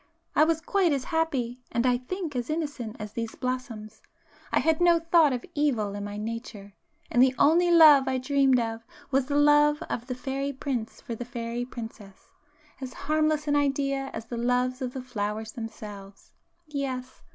I was quite as happy, and I think as innocent as these blossoms; I had no thought of evil in my nature,—and the only love I dreamed of was the love of the fairy prince for the fairy princess,—as harmless an idea as the loves of the flowers themselves. Yes!